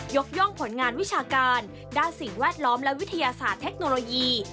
ย่องผลงานวิชาการด้านสิ่งแวดล้อมและวิทยาศาสตร์เทคโนโลยี